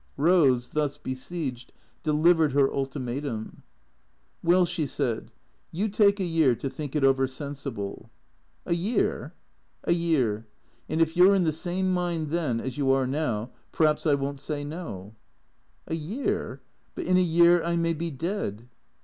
Eose, thus besieged, delivered her ultimatum. " Well," she said, " you take a year to think it over sensible." "A year?" " A year. And if you 're in the same mind then as you are now, p'raps I won't say no." " A year ? But in a year I may be dead."